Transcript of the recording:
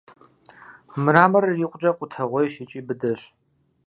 Мраморыр икъукӀэ къутэгъуейщ икӀи быдэщ.